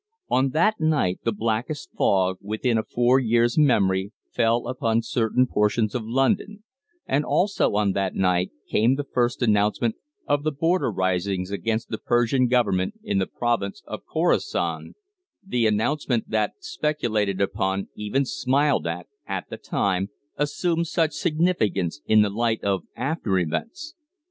On that night the blackest fog within a four years' memory fell upon certain portions of London, and also on that night came the first announcement of the border risings against the Persian government in the province of Khorasan the announcement that, speculated upon, even smiled at, at the time, assumed such significance in the light of after events.